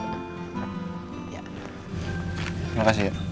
terima kasih ya